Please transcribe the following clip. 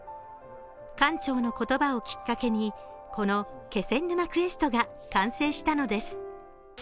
館長の言葉をきっかけにこの「気仙沼クエスト」が完成したのです。